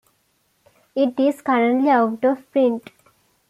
It is currently out of print.